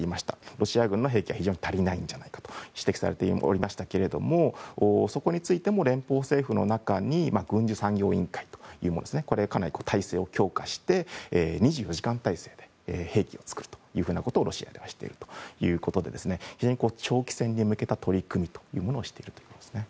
ロシア軍の兵器が非常に足りないのではと指摘されていましたがそこについても連邦政府の中に軍需産業委員会これがかなり態勢を強化して２４時間態勢で兵器を作るということをロシアがしているということで非常に長期戦に向けた取り組みをしていますね。